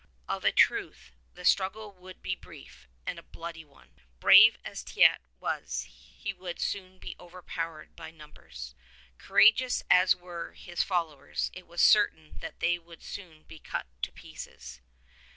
Of a truth the struggle would be a brief and a bloody one. Brave as Teit was he would soon be overpowered by numbers. Courageous as were his followers it was certain that they would soon be cut to pieces.